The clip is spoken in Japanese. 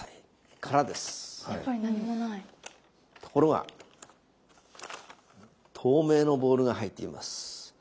ところが透明のボールが入っています。